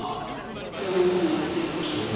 不安しかないです。